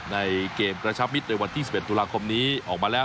ในเกมกระชับมิตรในวันที่๑๑ตุลาคมนี้ออกมาแล้ว